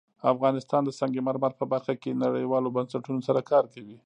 افغانستان د سنگ مرمر په برخه کې نړیوالو بنسټونو سره کار کوي.